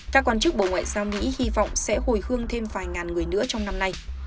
các quan chức bộ ngoại giao mỹ hy vọng sẽ hồi hương thêm vài ngàn người nữa trong năm nay